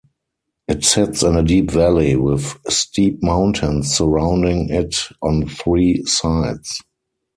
It sits in a deep valley, with steep mountains surrounding it on three sides.